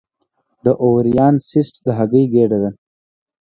د اووریان سیسټ د هګۍ ګېډه ده.